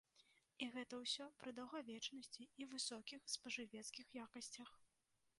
І гэта ўсё пры даўгавечнасці і высокіх спажывецкіх якасцях.